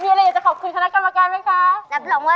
มีอะไรอยากจะขอบคุณคณะกรรมกรรมับ่างการแล้วคะ